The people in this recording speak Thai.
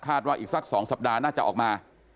ว่าอีกสัก๒สัปดาห์น่าจะออกมา